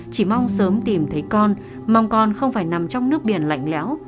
chỉ mong sớm tìm thấy con mong con không phải nằm trong nước biển lạnh lẽo